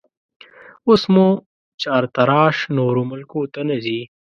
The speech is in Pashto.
اوس مو چارتراش نورو ملکو ته نه ځي